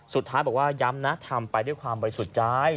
สุดท้ายบอกว่าย้ำนะทำไปด้วยความบริสุทธิ์ใจ